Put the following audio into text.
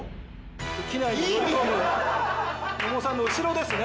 野茂さんの後ろですね。